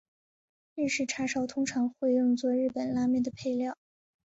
日式叉烧通常会用作日本拉面的配料。